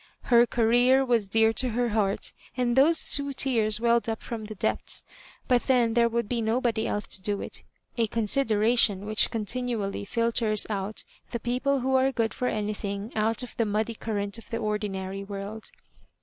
Her Career was dear to her heart, and those two tears welled up fh>m the depths; but then there would be nobody else to do it— a consideration which oontinually filters out the people who are good for anything out of the muddy current of the ordinary world.